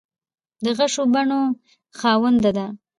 د غشو بڼو خاونده ده